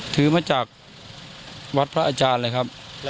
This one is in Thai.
ถือมาจากวัดพระอาจารย์เลยครับ